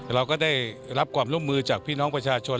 เราก็ได้รับความร่วมมือจากพี่น้องประชาชน